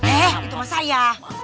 eh itu mah saya